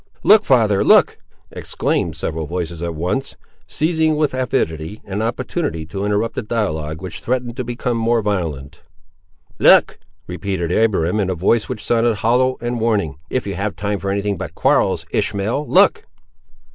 "Look! father, look!" exclaimed several voices at once, seizing with avidity, an opportunity to interrupt a dialogue which threatened to become more violent. "Look!" repeated Abiram, in a voice which sounded hollow and warning; "if you have time for any thing but quarrels, Ishmael, look!"